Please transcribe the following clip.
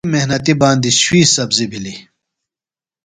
تسی محنتیۡ باندیۡ شُوئی سبزیۡ بِھلیۡ۔